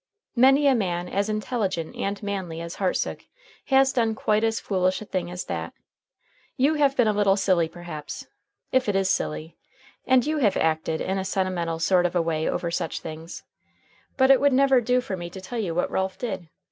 Many a man as intelligent and manly as Hartsook has done quite as foolish a thing as that. You have been a little silly perhaps if it is silly and you have acted in a sentimental sort of a way over such things. But it would never do for me to tell you what Ralph did.